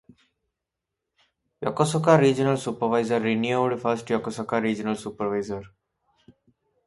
Yokosuka Regional Supervisor Renewed First Yokosuka Regional Supervisor.